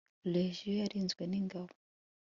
legion yarigizwe n' ingabo